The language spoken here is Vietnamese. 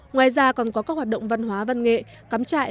ngoài ra còn có các hoạt động văn hóa văn nghệ cắm trại